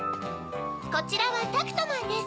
こちらはタクトマンです。